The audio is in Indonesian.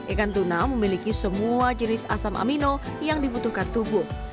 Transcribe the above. ikan tuna memiliki semua jenis asam amino yang dibutuhkan tubuh